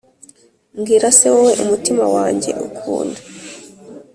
Mbwira se, wowe umutima wanjye ukunda,